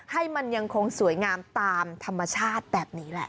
ให้มันยังคงสวยงามตามธรรมชาติแบบนี้แหละ